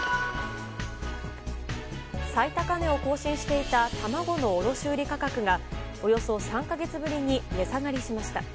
最高値を更新していた卵の卸売価格がおよそ３か月ぶりに値下がりしました。